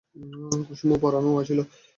কুসুম এবং পরাণও আসিল।